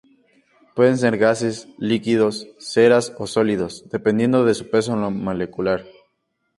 Pueden ser gases, líquidos, ceras, o sólidos, dependiendo de su peso molecular.